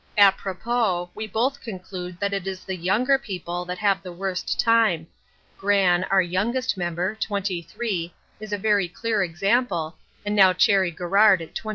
Apropos, we both conclude that it is the younger people that have the worst time; Gran, our youngest member (23), is a very clear example, and now Cherry Garrard at 26.